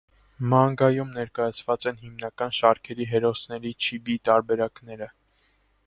Մանգայում ներկայացված են հիմնական շարքերի հերոսների չիբի տարբերակները։